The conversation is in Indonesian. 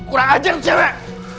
kurang ajar cewek